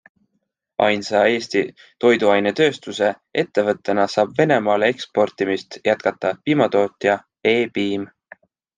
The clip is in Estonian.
Ainsa Eesti toiduainetööstuse ettevõttena saab Venemaale eksportimist jätkata piimatootja E-piim.